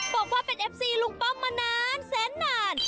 บอกว่าเป็นเอฟซีลุงป้อมมานานแสนนาน